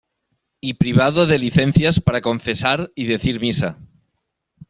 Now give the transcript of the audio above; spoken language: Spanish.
y privado de licencias para confesar y decir misa.